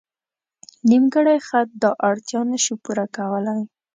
نیمګړی خط دا اړتیا نه شو پوره کولی.